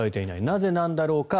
なぜなんだろうか。